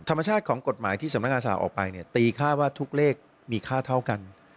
ธรรมชาติของกฎหมายที่สำนักงานสลากออกไปเนี่ยตีค่าว่าทุกเลขมีค่าเท่ากัน